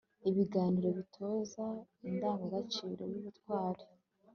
ibiganiro bitoza indangagaciro y'ubutwari